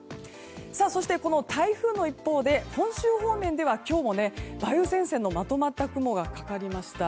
そして、台風の一方で本州方面では今日も梅雨前線のまとまった雲がかかり始めました。